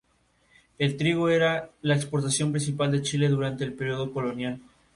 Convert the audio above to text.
El trigo era la exportación principal de Chile durante el período colonial.